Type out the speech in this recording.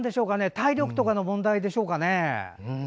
体力とかの問題でしょうかね。